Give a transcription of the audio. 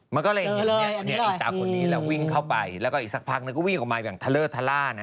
มันก็เลยอีตาคนนี้แหละวิ่งเข้าไปแล้วก็อีกสักพักนึงก็วิ่งออกมาอย่างทะเลอร์ทะล่านะ